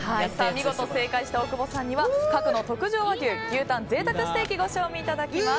見事正解した大久保さんには閣の特上和牛牛たん贅沢ステーキをご賞味いただきます。